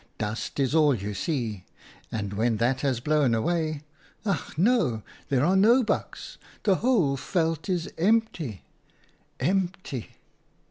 Dust is all you see, and when that has blown away — ach no ! there are no bucks ; the whole veld is empty, empty